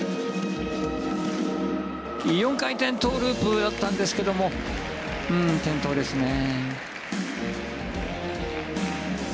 ４回転トウループだったんですけども転倒ですね。